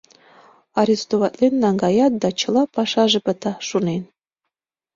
Арестоватлен наҥгаят, да чыла пашаже пыта, шонен.